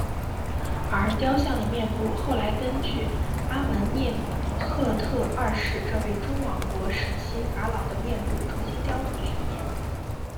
而雕像的面部后来根据阿蒙涅姆赫特二世这位中王国时期法老的面部重新雕琢了一遍。